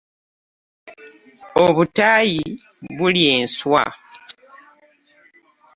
Obutaayi bulya enswa.